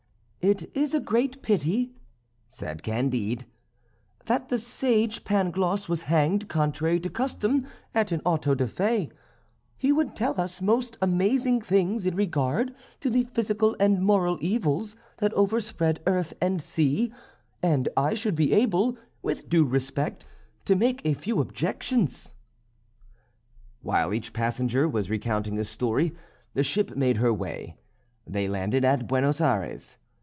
"It is a great pity," said Candide, "that the sage Pangloss was hanged contrary to custom at an auto da fé; he would tell us most amazing things in regard to the physical and moral evils that overspread earth and sea, and I should be able, with due respect, to make a few objections." While each passenger was recounting his story, the ship made her way. They landed at Buenos Ayres.